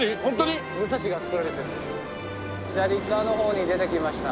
左側の方に出てきました